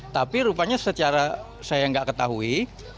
tapi rupanya secara saya nggak ketahui